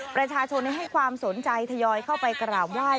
ประชาชนให้ความสนใจทยอยเข้าไปกราบไหว้